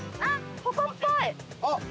あっ！